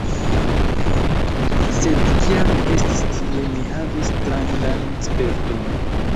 Sed, kiam mi estis tie, mi havis strangan sperton: